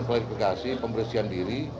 kualifikasi pembersihan diri